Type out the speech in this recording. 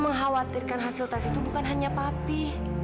menghawatirkan hasil tes itu bukan hanya papi